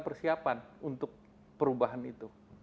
persiapan untuk perubahan itu